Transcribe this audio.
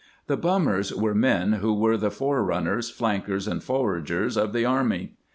The bummers were men who were the fore runners, flankers, and foragers of the army.